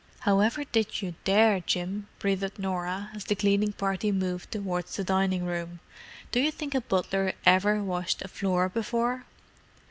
"However did you dare, Jim?" breathed Norah, as the cleaning party moved towards the dining room. "Do you think a butler ever washed a floor before?"